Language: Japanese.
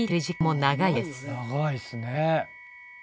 長いですね。